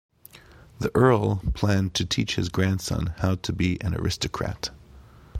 The Earl planned to teach his grandson how to be an aristocrat.